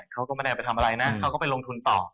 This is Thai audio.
เขาก็ไม่ได้เอาไปทำอะไรนะเขาก็ไปลงทุนต่อ